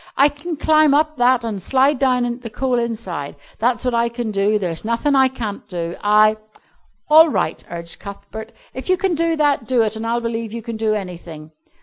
"I can climb up that an' slide down the coal inside. That's what I can do. There's nothin' I can't do. I " "All right," urged Cuthbert, "if you can do that, do it, and I'll believe you can do anything."